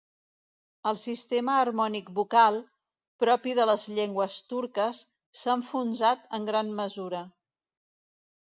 El sistema harmònic vocal, propi de les llengües turques, s'ha enfonsat en gran mesura.